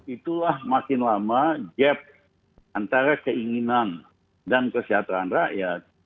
itulah makin lama gap antara keinginan dan kesejahteraan rakyat